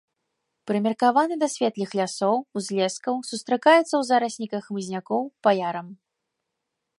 Прымеркаваны да светлых лясоў, узлескаў, сустракаецца ў зарасніках хмызнякоў, па ярам.